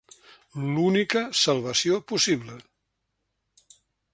L'única salvació possible.